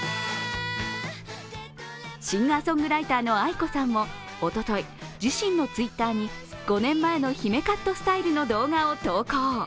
シンガーソングライターのａｉｋｏさんもおととい自身のＴｗｉｔｔｅｒに、５年前の姫カットスタイルの動画を投稿。